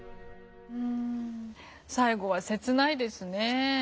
最後は切ないですね。